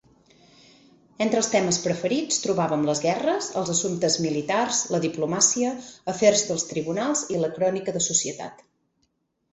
Entre els temes preferits trobàvem les guerres, els assumptes militars, la diplomàcia, afers dels tribunals i la crònica de societat.